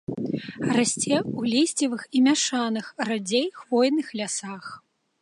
Расце ў лісцевых і мяшаных, радзей хвойных лясах.